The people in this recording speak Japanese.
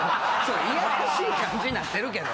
いやらしい感じになってるけど。